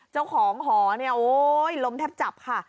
เจ้าของหอเนี่ยโอ๊ยลมแทบจับค่ะ